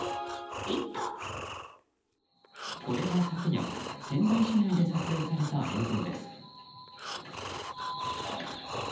これは昨夜仙台市内で撮影された映像です。